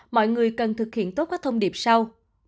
mọi người cần thực hiện tốt các thông điệp sau